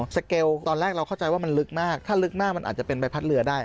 เกลตอนแรกเราเข้าใจว่ามันลึกมากถ้าลึกมากมันอาจจะเป็นใบพัดเรือได้